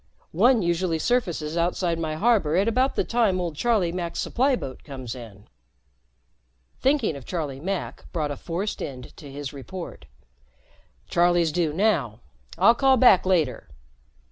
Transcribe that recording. One usually surfaces outside my harbor at about the time old Charlie Mack's supply boat comes in." Thinking of Charlie Mack brought a forced end to his report. "Charlie's due now. I'll call back later."